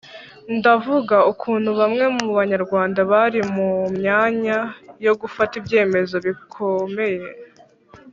ndavuga ukuntu bamwe mu banyarwanda, bari mu myanya yo gufata ibyemezo bikomeye,